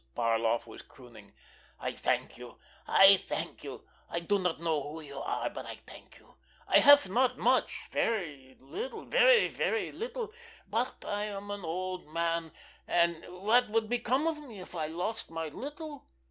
Barloff was crooning. "I thank you—I thank you! I do not know who you are, but I thank you! I have not much, very little, very, very little, but I am an old man, and what would become of me if I lost my little?